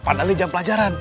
padahal ini jam pelajaran